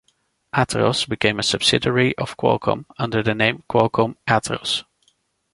Atheros became a subsidiary of Qualcomm under the name Qualcomm Atheros.